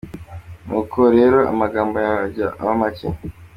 Nuko rero amagambo yawe ajye aba make.